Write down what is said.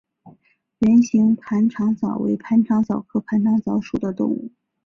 圆形盘肠蚤为盘肠蚤科盘肠蚤属的动物。